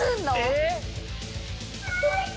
えっ？